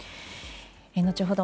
後ほど